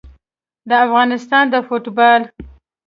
د افغانستان د فوټبال